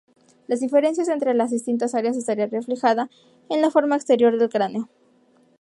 Las diferencias entre las distintas áreas estaría reflejada en la forma exterior del cráneo.